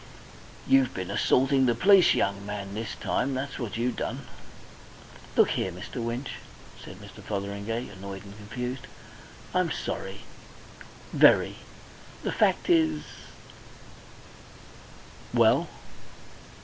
"You've been assaulting the police, young man, this time. That's what you done." "Look here, Mr. Winch," said Mr. Fotheringay, annoyed and confused, "I'm sorry, very. The fact is " "Well?"